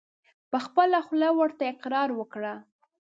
په خپله خوله ورته اقرار وکړه !